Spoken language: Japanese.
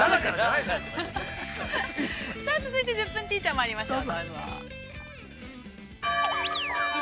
◆続いては、「１０分ティーチャー」まいりましょう。